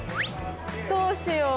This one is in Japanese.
どうしよう？